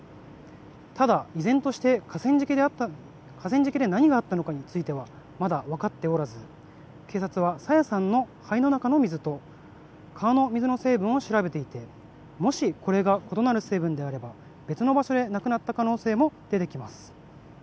ただ依然として河川敷で何があったのかについてはまだ分かっておらず警察は朝芽さんの肺の中の水と川の水の成分を調べていてもしこれが異なる成分であれば別の場所で亡くなった可能性も出てきます。